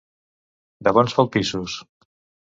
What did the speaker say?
De bons palpissos.